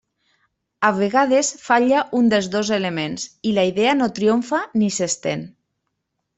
A vegades falla un dels dos elements i la idea no triomfa, ni s'estén.